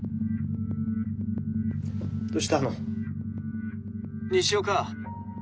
どうしたの？